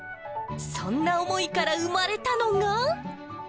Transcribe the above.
そんな思いから生まれたのが。